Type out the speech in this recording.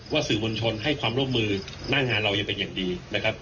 สื่อมวลชนให้ความร่วมมือหน้างานเรายังเป็นอย่างดีนะครับ